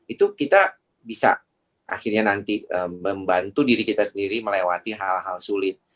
itu kita bisa akhirnya nanti membantu diri kita sendiri melewati hal hal sulit